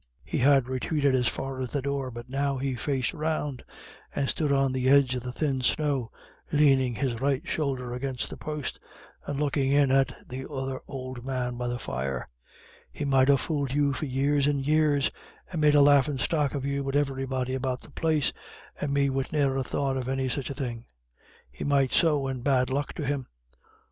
He had retreated as far as the door, but now he faced round, and stood on the edge of the thin snow, leaning his right shoulder against the post, and looking in at the other old man by the fire. "He might ha' fooled you for years and years, and made a laughin' stock of you wid everybody about the place and me wid ne'er a thought of any such a thing he might so, and bad luck to him....